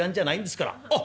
あっ！